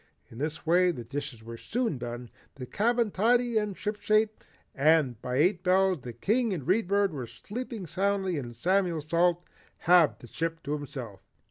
In this way the dishes were soon done, the cabin tidy and shipshape, and by eight bells the King and the Read Bird were sleeping soundly and Samuel Salt had the ship to himself.